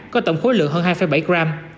có tổng khối lượng hơn hai bảy gram